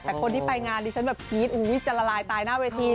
แต่คนที่ไปงานดิฉันแบบกรี๊ดจะละลายตายหน้าเวที